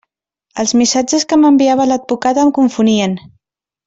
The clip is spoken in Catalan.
Els missatges que m'enviava l'advocat em confonien.